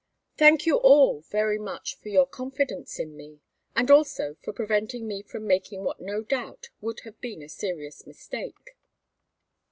"Thank you all very much for your confidence in me, and also for preventing me from making what no doubt would have been a serious mistake.